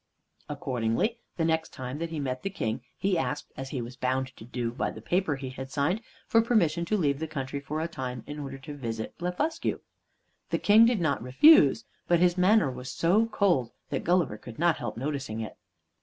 Accordingly, the next time that he met the King, he asked, as he was bound to do by the paper he had signed, for permission to leave the country for a time, in order to visit Blefuscu. The King did not refuse, but his manner was so cold that Gulliver could not help noticing it.